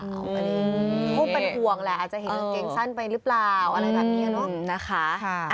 เขาเป็นห่วงแหละอาจจะเห็นกางเกงสั้นไปหรือเปล่าอะไรแบบนี้เนอะนะคะ